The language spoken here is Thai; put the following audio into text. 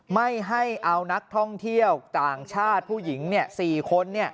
ไม่ให้เอานักท่องเที่ยวต่างชาติผู้หญิง๔คน